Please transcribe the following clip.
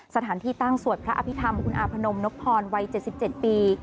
สถานที่ตั้งสวดพระอภิทำคุณอพนมพรวัย๗๗ปี